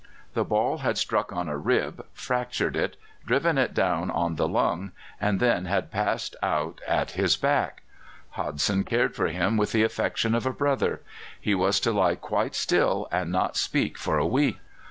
The ball had struck on a rib, fractured it, driven it down on the lung, and then had passed out at his back. Hodson cared for him with the affection of a brother. He was to lie quite still and not speak for a week.